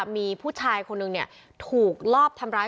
มีผู้ชายคนหนึ่งถูกลอบทำร้าย